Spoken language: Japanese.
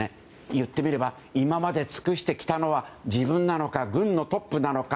言ってみれば今まで尽くしてきたのは自分なのか、軍のトップなのか。